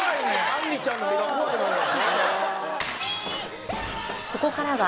あんりちゃんの目が怖いのよ。